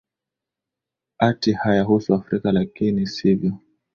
ati hayahusu afrika lakini sivyo